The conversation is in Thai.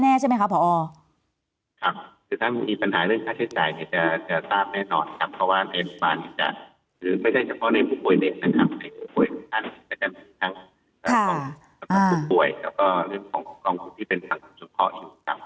แล้วก็เรื่องของคุณที่เป็นทางคุณพ่ออยู่กัน